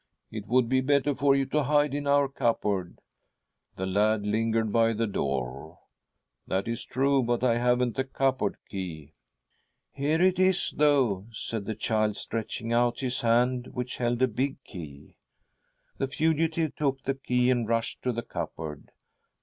' It would be better for you to hide in our cupboard.' The lad lingered by the door. ' That is true, but I haven't the cupboard key.' 'Here it is, though,' said the child, stretching out his hand, which held a big key. " The fugitive took the key and rushed to the cupboard.